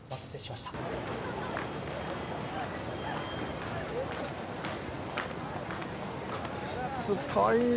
しつこいな。